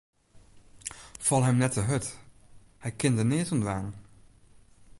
Fal him net hurd, hy kin der neat oan dwaan.